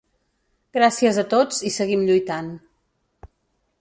Gràcies a tots i seguim lluitant.